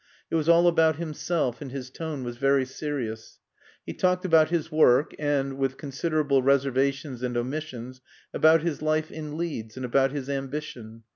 It was all about himself and his tone was very serious. He talked about his work and (with considerable reservations and omissions) about his life in Leeds, and about his ambition.